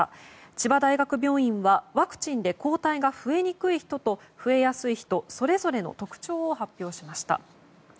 千葉大学病院はワクチンで抗体が増えにくい人と増えやすい人それぞれの特徴を発表しました。